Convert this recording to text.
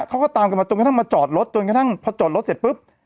เขาก็ตามกันมาจนกระทั่งมาจอดรถจนกระทั่งพอจอดรถเสร็จปุ๊บ